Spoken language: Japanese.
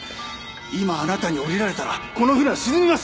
今あなたに降りられたらこの船は沈みます！